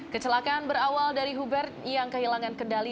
kecelakaan berawal dari hubert yang kehilangan kendali